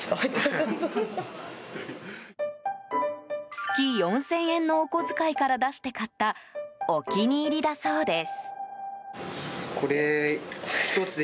月４０００円のお小遣いから出して買ったお気に入りだそうです。